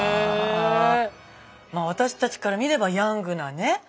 まあ私たちから見ればヤングなね